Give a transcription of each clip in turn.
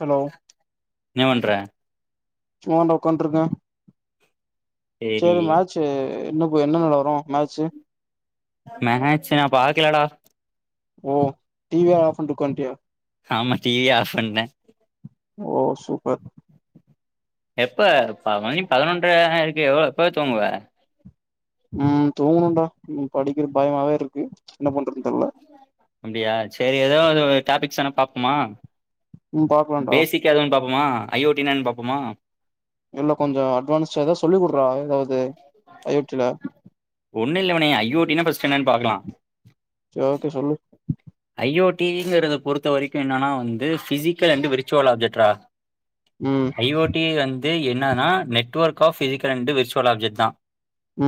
hello நீ என்ன பண்ற சும்மாட உக்காந்ட்ருக்கேன் சேரி சரி மேச்சு என்ன போ என்ன நெலவரம் மேச்சு மேட்ச் [inaudible] ஓ டீவிய ஆஃப்ன்டு உகாண்டீயா ஆமா டிவிய ஆஃப்ண்ணேன் ஓ சூப்பர் எப்ப ப மணி பதினொன்ற இருக்கு எப்ப தூங்குவ உம் தூங்கணுடா படிக்கிற பயமாவே இருக்கு என்ன பண்றது அப்படியா சரி ஏதோ டாபிக்ஸ்ன பாப்பமா ம் பாக்கலான்டா பேசிக் எதுன் பா மா ஐயோட்டினா என்னனு பாப்போமா இல்ல கொஞ்சம் அட்வான்ஸ் ஏதாவ சொல்லி குடுறா ஏதாவது ஒண்ணுல்லவனே ஐயோட்டின் பஃர்ஸ்டு என்னனு பாக்கலாம் சேரி ஓகே சொல்லு ஐயோட்டி டீவீங்றத பொறுத்த வரைக்கும் என்னன்னா வந்து பிசிக்கல் அண்ட் விரிச்சுவல் ஆப்ஜெக்ட்ரா ம் ய் ஓட்டி அ இது என்னனா network of physical and visual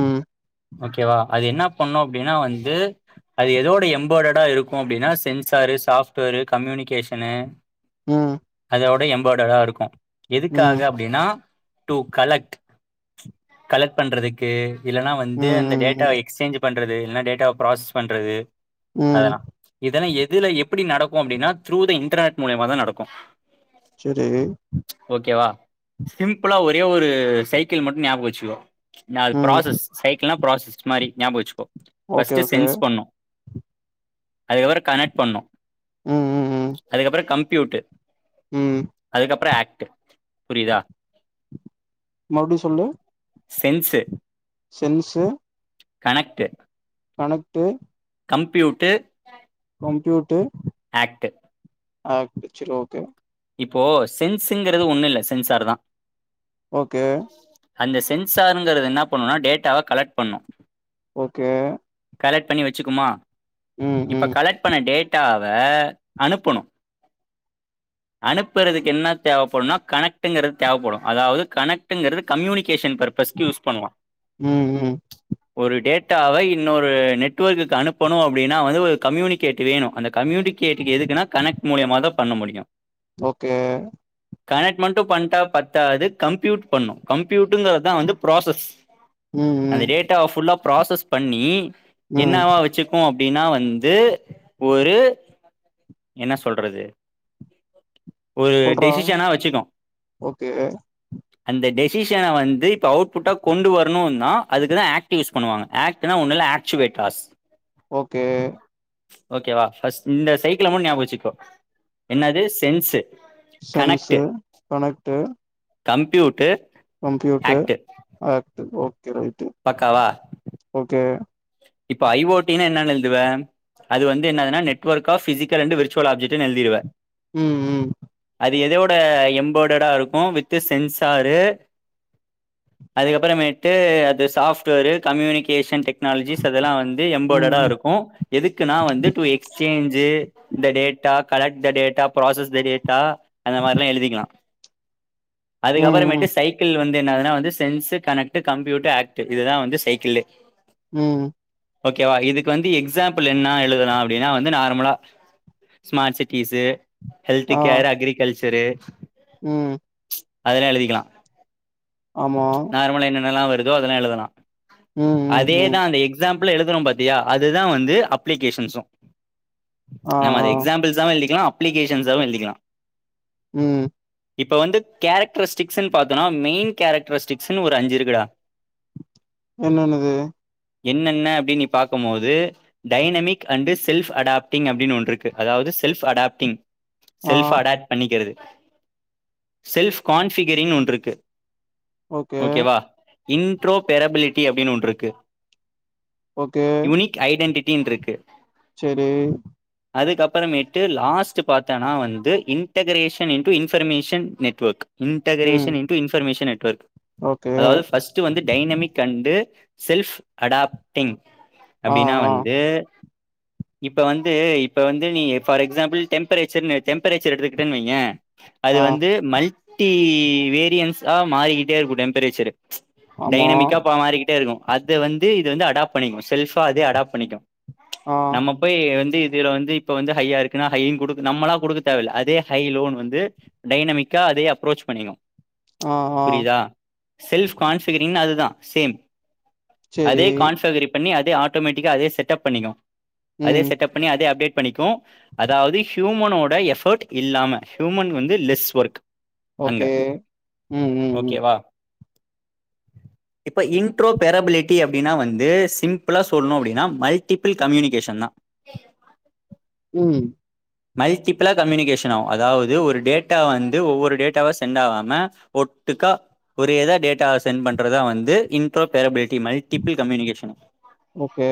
ம் ஓகேவா அது என்னா பண்ணோம் அப்டினா வந்து அது எதோட எம்பர்டடா இருக்கும் அப்படின்னா சென்சாரு சாஃப்ட்வேரு கம்யூனிகேஷனு உம் விட எம்படடாருக்கும் எதுக்காக அப்டினா டுகலெக்ட் கலெக்ட் பண்றதுக்கு இல்லன்னா வந்து அந்த டேட்டா ம் ம் ம் எக்சேஞ்ச் பண்றது இல்லனா டேட்டாவ ப்ராசஸ் பண்றது ம் அதெலாம் இதெலாம் இதுல எப்படி நடக்கும் அப்படின்னா த்ரூ த இன்டர்நெட் மூலியமா தான் நடக்கும் சேரி சிம்புளா ஒரே ஒரு சைக்கிள் மட்டும் ஞாபகம்ச்சு லோ ந ம் ப்ராசஸ் சைக்கிள்ல்லாம ப்ராசஸ் மாரி ஞாபகவசிகோ ஓகே பஸ்டு ஓகே சென்ஸ் பண்ணு அதுகப்புறம் கனெட் பண்ணு ம் ம் ம் அதுகப்புறம் கம்ப கியூடே ம் புரியுதா மறுடி சொல்லு sense sense connect connect computer computer act act சில ஓகே இப்போ சென்ஸ் இங்குறுது ஒண்ணு இல்ல சென்சார் தான் ஓகே அந்த சென்சார் இங்குறது என்ன பண்ணுனா டேட்டாவ கலெட் பண்ணு ஓகே கலெட் பண்ணி வச்சுகுமா ம் இப்ப ம் கலெட் பண்ண டேட்டா இப்பஅனுப்புணு அனுப்புறதுக்கு என்ன தேவைப்படுனா கனெக்டு இங்கிறது தேவைப்படும் அதாவது கனெக்டு இங்கிறது கம்யூனிகேஷன் பர்பஸ்கு யூஸ் பண்ணு ம் ம் ட்டாவ இன்னொரு நெட்வர்க்குக்கு அனுப்பணு அப்டினா வந்து ஒரு கம்யூனிகேட் வேணு அந்த கம்யூனிகேட் எதுக்குன்னா கனெக்ட் மூலியமா தா பண்ண முடியு ஓகே கனெக்ட் மட்டு பண்ட்டா பத்தாது கம்பியூட் பண்ணும் கம்ப்யூட்டுங்குறதா வந்து ப்ராசஸ் ம் அந்த ம் டேட்டா புல்லஃப் புராசஸ் பண்ணீ ம் என்னவா வச்சுக்குமோ அப்புடின்னா வந்து ஒரு என்ன சொல்றது ஒரு சொல்றா டேசிஷனா வச்சுக்கு ஓகே அந்த டெசிஷன வந்து இப்போ அவுட்புட்டா கொண்டு வரணு நா அதுக்குதா ஆக்டிவ் யூஸ் பண்ணுவாங்க ஆக்ட்னா ஒன்னுல்ல ஆக்ஷ்வேட் ஆஸ் ஓ கே ஓகேவா பஸ்ட் இந்த சைக்கிள் மட் ஞாபச்சுக்கோ என்னது ஷ் sense sense connect computer computer act ஓ கே ரைட்டு பக்காவா ஓகே இப்ப ஐ ஓட்டினா என்னானு எழுதுவ அது வந்து இன்னாதுனா நெட் ஓர்கா பிசிகல் அன்டு எழுதிடுவ ம் ம் அது எதோட எம்பெட்டடா இருக்கும் வித் சென்சரு அதுக்கப்புறமேட்டு அது சாஃப்ட்வேர் கம்யூனிகேஷன் டெக் னாலஜிஸ் அதெல்லா வந்து எம்பெடடா ம் இருக்கு எதுக்குன்னா வந்து டு எக்ஸ்சேஞ்சு இந்த data collect the data process the data அந்த மாரிலா எழுதிக்கலா ம் அதுக்கப்புறமேட்டு ம் சைக்கிள் வந்து ஏன்னா அதுனா வந்து சென்ஸ் கனெக்ட் கம்ப்யூட்டர் ஆக்ட் இதுதா வந்து சைக்கிளே உம் ஓகேவா இதுக்கு வந்து எக்ஸாம்பிள் என்ன எழுதலா அப்டின்னா வந்து நார்மலா smart cities health care agriculture சரி உம் அதெல்லா எழுதிக்கலா ஆமா நார்மலா என்னன்னல்லா வரு ஏதோ அதெல்லா எழுதலா உம் உம் உம் அதேதா அந்த எக்ஸாம்பிள் எழுதுறோ பாத்தியா அதுதா வந்து அப்ளிகேஷன்ஸும் ஆ நம்ம அத ஆ எக்ஸாம்பிள்ஸாவு எழுதிக்கலா அப்ளிகேஷன்ஸாவு எழுதிக்கலா உம் இப்ப வந்து கேரக்டர்ஸ்டிக்ஸ்ன்னு பாத்தோனா மெயின் கேரக்டர்ஸ்டிக்ஸ்ன்னு ஒரு அஞ்சு இருக்குடா என்னன்னது என்னென்ன அப்டின்னு நீ பாக்கும்போது டைனமிக் அண்டு் செல்ஃப் அடாஃப்டிங் அப்டின்னு ஒன்று இருக்கு அதாவது செல்ப் அடாப்டிங் ஆ செல்ஃப் அடாப்ட் பண்ணிக்கிறது செல்ஃப் கான்ஃபிகரிங்னு ஒன்று இருக்கு ஓகே ஓகேவா இன்ட்ரோபெரபிலிட் கீ அப்டின்னு ஒன்று இருக்கு ஓகே யூனிக் ஐடெண்ட்டிட் டீம் இருக்கு செரி அதுக்கப்புறமேட்டு லாஸ்ட் பாத்தோனா வந்து இன்டகரேஷன் இன்டூ இன்ஃபர்மேஷன் நெட்வர்க் ம் integration into information network okay அதாவது ஃபஸ்ட் வந்து டைனமிக் அண்டு செல்ஃப் அடாப்டிங் ஆ அப்டின்னா ஆ வந்து இப்ப வந்து இப்ப வந்து நீ ஃபார் எக்ஸாம்பிள் டெம்பரேச்சர்னு டெம்பரேச்சர் எடுத்துக்கிட்டேன்னு வையேன் அது ஆ வந்து மல் ட்டி வேரியன்ஸா மாறிக்கிட்டே இருக்கும் டெம்பரேச்சரரு ஆமா டைனமிக்கா பா மாறிக்கிட்டே இருக்கு அத் து இது வந்து அடாப் பண்ணிக்கு செல்ஃபா அதே அடாப் பண்ணிக்கு ஆ நம்ம போய் வந் ட்டு இதுல வந்து இப்ப வந்து ஹையா இருக்குன்னா ஹைன்னு குடுக் நம்மளா குடுக்க தேவைல்ல அதே ஹை லோ ன்னு வந்து டைனமிக்கா அதே அப்ரோச் பண்ணிக்கு ஆஹ் ஆஹ் புரியுதா செல்ஃப் கான்ஃபிகரிங்னு அதுதான் சேம் சேரி அதே கான்ஃபகரிங் பண்ணி அத் [unintelligible] ஆட்டோமேட்டிக்கா அதே செட்டப் பண்ணிக்கு அதே ம் செட்அப் பண்ணி அதே அப்டேட் பண்ணிக்கு அதாவது ஹ் ஹியூமனோட எஃபர்ட் இல்லாம ஹியூமன் வந்து லெஸ் ஒர்க் அங்க ஓகே உம் உம் உம் ஓகேவா இப்ப இன்ட்ரோபேரபிலிட் ட்டி அப்டின்னா வந்து சிம்பிளா சொல்லணும் அப்டின்னா மல்டிபிள் கம்யூனிகேஷன்தா உம் மல்டிபிளா கம்யூனிகேஷன் ஆவும் அதாவது ஒரு டேட்டா வந்து ஒவ்வொரு டேட்டாவா சென்ட் ஆகாம ஒட்டுக்கா ஒரே இதா டேட்டாவா சென்ட் பண்றதுதா வந்து interoperability multiple communication okay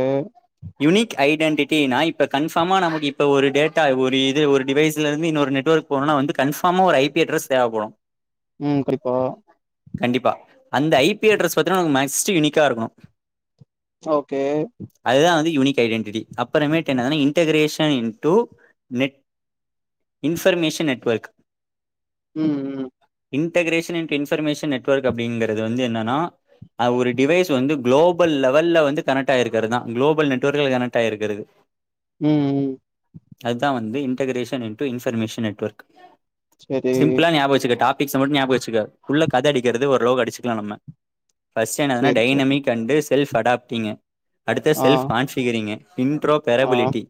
unique ஐடெட்டினா இப்ப கன்ஃபர்மா நமக்கு இப்போ ஒரு டேட் த்தா ஒரு இது ஒரு டிவைஸ்ல இருந்து இன்னொரு நெட்வொர்க் போகனுனா வந்து கன்ஃபார்மா ஒரு ஐ பி அட்ரஸ் தேவப்படு உம் குறிப்பா கண்டிப்பா அந்த ஐ பி அட்ரஸ் பாத்தீங்கனா [unintelligible] வந்து மேக்ஸ் ச்சு யூனிக்கா இருக்கணு ஓகே [unintelligible] ஐடென்ட்டி அப்புறமேட்டு என்னன்னா integration into net information network உம் உம் இன்டகரேஷன் அன்ட் இன்ஃபர்மேஷன் நெட்வொர்க் அப்டிங்கறது வந்து என்னன்னா அது ஒரு டிவைஸ் வந்து குளோபல் லெவல்ல வந்து கனெக்ட்ட் ஆயிருக்கிறதுதா குளோபல் நெட்ஒர்க்ல கனெக்ட் ஆயிருக்கிறது ம் ம் அதான் வந்து இன்டெகரேஷன் இண்ட்டு இன்ஃபர்மேஷன் நெட்வொர்க் சரி சிம்பிளா ஞாபக வச்சுக்கட்டா ஃபிக்ச மட்டு ஞாபகோ வச்சுக்க உள்ள கத அடிக்கிறது ஓரளவுக்கு அடிச்சிக்கலா நம்ம ஃபர்ஸ்ட் என்னதுன்னா சேரி சரி டைனமிக் அண்டு செல்ஃப் அடாப்ட்டிங்கு அடுத்த ஆ செல்ஃப் கான்ஃபிகங்கரிங் ஆ இன்ட்ரோபாரபிலிட்டி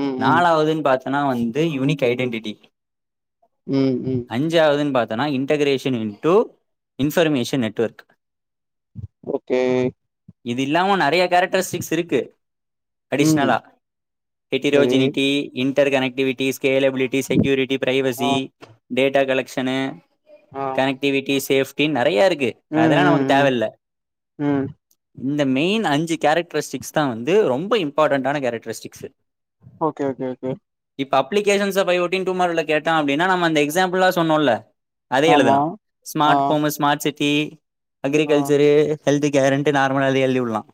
ம் ம் நாலாவதுன்னு பாத் னா வந்து யூனிக் ஐடென்டிடி ம் ம் அஞ்சாவதுன்னு பாத் இதெல்லாம் integration into information network okay இது இல்லாமும் நிறைய கேரக்டரிஸ்டிக்ஸ் இருக்கு ம் அடிஷ்னலா சரி எட்டிரோஜினி இ இன்டர் கனக்டிவிட்டிஸ் இ கேலபிலிட்டி செக்யூரிட்டி ஆ பிரைவசி டேட்டா கலெக்க்ஷனு ஆ கனக்டிவிட்டி சேஃப் பண்ணி நெறையா இருக் ம் அதெல்லாம் ம் நமக்கு ம் தேவல்ல ம் இந்த மெயின் அஞ்சு கேரக்டரிஸ்டிக்ஸ் தான் வந்து ரொம்ப இம்பார்ட்டண்ட்டான characteristics okay okay okay publication பயோட்டின் டூ மார்க்ல கேட்டா அப்படின்னா நம அந்த எக்ஸாம்பிள்லாம் சொன்னோம்ல அதே ஆமா எழுதலாம் ஆ ஸ்மார்ட்போமஸ் ஸ்மார்ட் சிட்டி தி ஆ அக்ரிகல்ச்சரு ஹெல்த் கேரண்ட் நார்மல அது எழுதிவிடலாம்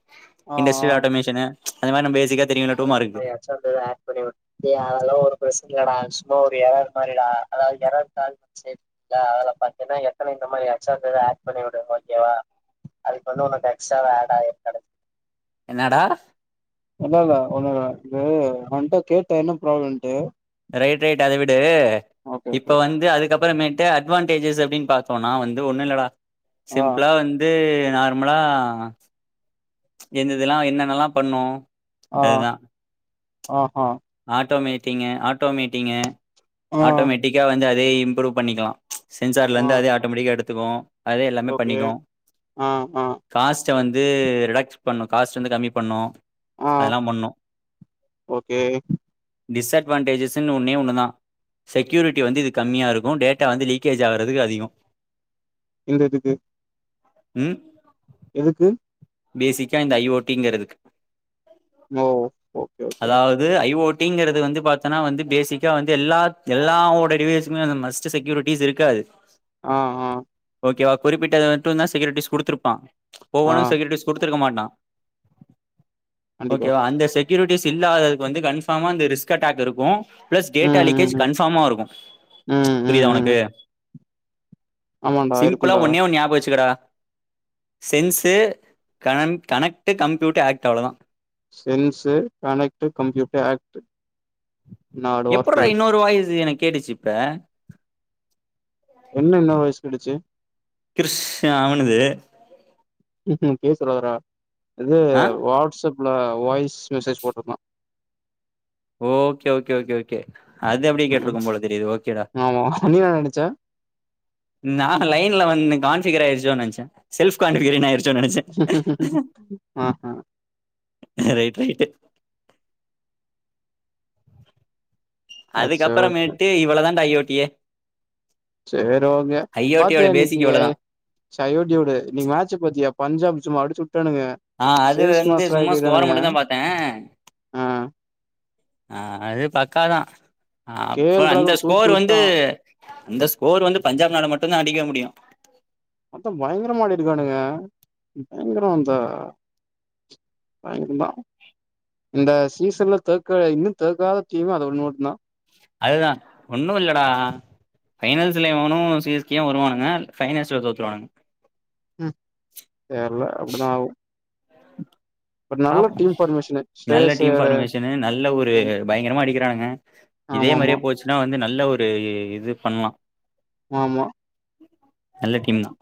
ஆ ஆ இண்டஸ்ட்ரியல் ஆட்டோமேஷனு ச் அது மாரி ன் பேசிக்கா தெரியுல்ல டூமார்க்கு [unintelligible] டேய் அதொல்லாம் ஒரு பெசன்ட் ல்ல டா இன்னும் ஒரு எரர் மாரிடா அதாவதுது எரர் காம்ச்சினா அதுல பாத்தீன்னா எத்தன இந்த மாதிரி எக்ஸ்ட்ராபிட் ஆட் பண்ணி விடு ஓகேவா அதுக்கு அப்படி பண்ணா உனக்கு எக்ஸ்ட்ராடா வா ஆட் ஆயிடும் என்னடா இல்ல இல்ல ஒன்னும்ல்ல அது அவன்ட்ட கேட்ட என்ன பிராப்ளம்ன்ட்டு ரைட் ரைட் அத விடு ஓகே ஓகே இப்ப வந்து அதுக்கு அதுக்கப்புறமேட்டு அட்வான்டேஜஸ் அப்படின்னு பாார்த்தோம்னா வந்து ஒன்னும் இல்லடா ஆ சிம்பிளா வந்து நார்மலா எந்த இதெல்லாம் என்னென்னல்லாம் பண்ணோம் அதுதான் ஆஹ்ஹா ஆட்டோமேட்டிங்கு ஆட்டோமேட்டிங்கு ஆ ஆட்டோமேட்டிக்கா வந்து இதே இம்ப்ரூவ் பண்ணிக்கலா ஆ சென்சார்லயிருந்து அதே ஆட்டோமெட்டிக்கா எடுத் துக்கோ அதே எல்லாமே ஓகே பண்ணிக்கோ ஆ ஆ கா ச வந்து ரிடக்ஸ் பண்ணோ காஸ்ட் வந்து கம்மி பண்ணோ ஆஹ் ஓகே டிஸ்அட்வான்டேஜஸ்ஸுன்னு ஒன்னே ஒன்னுதா செக்யூரிட்டி வந்து இது கம்மியாகயிருக்கோ டேட்டா வந்து லீக்கேஜ் ஆகுறதுக்கு அதிகோ இந்த இதுக்கு ம் எதுக்கு பேசிக்கா இந்த ஐ ஓ டீங்குறதுக்கு ஓ ஓகே ஓகே அதாவது ஐ ஓ ஐ ஓ டிங்குறது வந்து பாத்தோன்னா வந்து பேசிக்கா வந்து எல்லா எல்லாவோடைய டிவைஸ்மே மஸ்ட் செக்யூரிட்டிஸ் இருக்காது ஆஹ் ஆஹ் குறிப்பிட்டத மட்டோதா செக்யூரிட்டிஸ் குடுத்துயிருப்பான் ஆஹ் குடுத்திருக்க மாட்டா கண்டிப்பா ஓகேவா அந்த செக் செக்யூரிட்டிஸ் இல்லாததுக்கு வந்து கன்ஃபாமா அந்த ரிஸ்க் அட்டாக்யிருக்கோ பிளஸ் ம் டேட்டா லீக்கேஜ் ம் கன்ஃபாமாயிருக்கோ ம் ம் ம் புரியுதா ம் உனக்கு ஆமாண்டா சிம்பிளா இருக்கும்டா ஒன்னே ஒன்னு ஞாபகம் வெச்சுக்கடா சென்ஸு கனெக்ட் கம்ப்யூட் ஆக்ட் அவ்ளோதா சென்ஸு கனெக்ட் கம்ப்யூட் ஆக்ட் நாலு எப்புறா வார்த்தைகள் இன்னொரு வாயுஸ் எனக்கு கேட்டுச்சிப்ப என்ன என்ன வாயசு கேட்டுச்சு கிருஷ் அவனுது உம் மொக்கயா சொல்லாதரா இது ஆ வாட்சப்ல வாய்ஸ் மெசேஜ் போட்ருக்கலா ஓகே ஓகே ஓகே ஓகே அது அப்டியே ம் கேட்டிருக்கோ போல தெரியுது ஓகேடா ஆமா நீ என்ன நெனச்ச நா லைன்ல வந்து கா [unintelligible] செல்ஃப் கான்பெரென்ஸ் ஆயி ச்சே நெனச்சே ஆஹா ரைட் ரைட்டு் அச்சோ அதுக்கப்புறமேட்டு இவளதா யோட் ஏஹ் சர்ரி ஓகே பாத்தயா இன்னைக்கு பேசிக் இவ்வளதா சையோடியோடு நீ மாச்சு பாத்திய பஞ்சாப் சும்மா அடிச்சு வுட்டானுங்க ஆஹ் அது சேஸ் வந்து மாஸ்டர் சும்மா ஸ்கோர ஆக்கிட்டானுங்க மட்டும் தான் பாத்தேன் ஆ ஆஹ் அது பக்காதான் கே எல் அப்புறம் அந்த ராகுல் தூக்கி ஸ்கோர் வந்து வுட்டா அந்த ஸ்கோர் வந்து பஞ்சாப் நால மட்டும் தான் அடிக்க முடியும் மொத்தம் பயங்கரமாடிருக்கானுங்க பயங்கரம் இந்த பயங்கர தான் இந்த சீசன்ல தேக்க இன்னும் தேக்காத டீம்மு அது ஒன்ன மட்டும் தான் அதுதான் ஒண்ணும் இல்லடா பைனல்ஸ்ல இவனும் சி எஸ் கேவு வருவாங்க பைனஸ்ல தோத்துருவானுங்க ம் தெர்ல அப்டிதா ஆகு பட் நல்ல பாப்போம் டீம் ஃபார்மேஷனு நல்ல ஸ்ரேயஸ் டீம் ஐயரு ஃபார்மேஷன்னு நல்ல ஒரு ம் பயங்கரமா அடிக்கிறானுங்க இதே ஆமாமா மாதிரியே போச்சுன்னா வந்து ந நல்ல ஒரு இது பண்ணலாம் ஆமா நல்ல டீம் தான்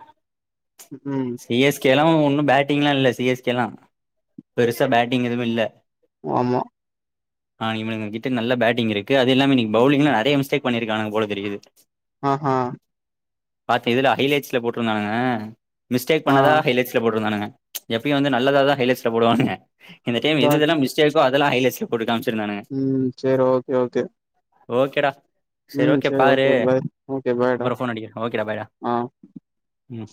ம் சி எஸ் கே ல்ல ஒன்னும் பேட்டிங்லாம் இல்ல சிஎஸ்கே லா பெருசா பேட்டிங் எதுவும் இல்ல ஆமா ஆஹ் இவனுங்க கிட்ட நல்ல பேட்டிங் இருக்கு அது இல்லாமே இன்னைக்கு பவுலி்ங்ல நிறைய மிஸ்டேக் பண்ணிருக்காங்க போல தெரியுது ஆஹ்ஹா பாத்தேன் இதுல ஹைலேட்ல போட்டிருந்தானுங்க மிஸ்டேக் ஆ பண்ணதான் ஹலைட்ல போட்டிருந்தானுங்க எப்பயும் வந்து நல்லதா தான் ஹயிலைட்ல போடுவானுங்க இந்த டைம் எது இதல்லாம் மிஸ்டேக்கோ அது இதெல்லாம் ஹயிலைட்ஸ்ல போட்ருக்கான் உம் சரி ஓகே ஓகே ஓகேடா உம் சரி ஓகே பாய் ஓகே பாய்டா அப்புறோ ஃபோன் அடிக்கிறே ஓகேடா பாய்டா ஆஹ் ம்